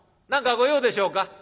何か御用でしょうか？」。